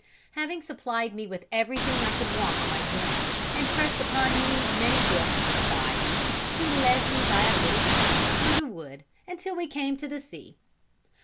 Having supplied me with everything I could want on my journey, and pressed upon me many gifts besides, he led me by a little path through the wood, until we came to the sea.